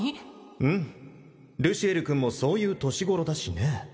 うんルシエル君もそういう年頃だしね